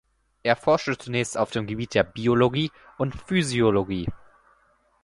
Er forschte zunächst auf dem Gebiet der Biologie und Physiologie.